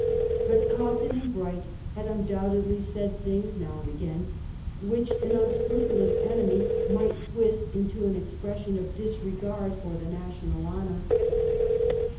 But Cobden and Bright had undoubt edly said things now and again which an unscru pulous enemy might twist into an expression of disregard for the national honor.